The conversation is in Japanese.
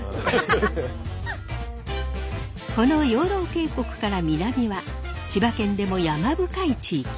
この養老渓谷から南は千葉県でも山深い地域。